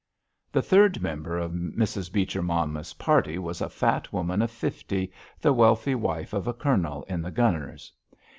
The third member of Mrs. Beecher Monmouth's party was a fat woman of fifty, the wealthy wife of a colonel in the gunners.